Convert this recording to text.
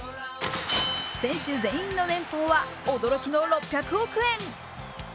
選手全員の年俸は驚きの６００億円。